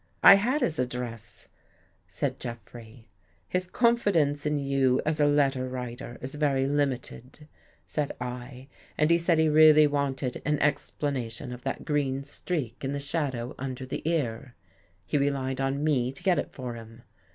" I had his address," said Jeffrey. " His confidence in you as a letter writer is very limited," said I, " and he said he really wanted an 70 BELIEVING IN GHOSTS explanation of that green streak in the shadow under the ear. He relied on me to get it for him.